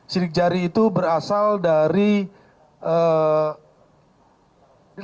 sidik jari itu berasal dari